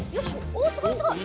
おすごいすごい！